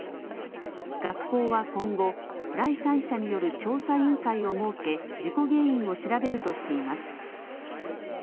学校は今後、第三者による調査委員会を設け事故原因を調べるとしています。